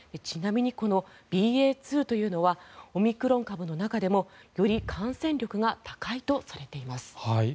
ちなみにこのＢＡ．２というのはオミクロン株の中でもより感染力が高いとされています。